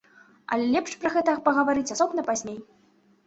Але лепш пра гэта пагаварыць асобна пазней.